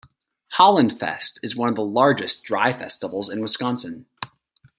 Holland Fest is one of the largest "dry festivals" in Wisconsin.